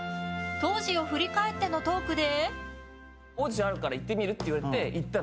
当時を振り返ってのトークで。